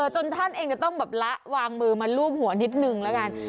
จนท่านเองจะต้องแบบละวางมือมาลูบหัวนิดนึงแล้วกัน